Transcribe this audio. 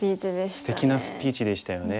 すてきなスピーチでしたよね。